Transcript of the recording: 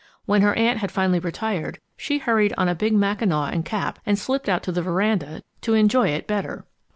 When her aunt had finally retired, she hurried on a big mackinaw and cap and slipped out to the veranda to enjoy it better.